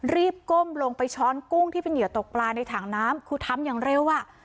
ก้มลงไปช้อนกุ้งที่เป็นเหยื่อตกปลาในถังน้ำคือทำอย่างเร็วอ่ะ